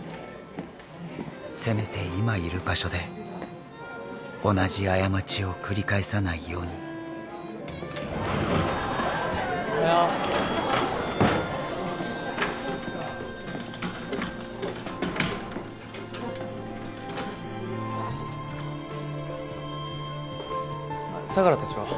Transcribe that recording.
せめて今いる場所で同じ過ちを繰り返さないようにおはよう相良達は？